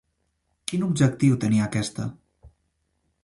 Quin objectiu tenia aquesta?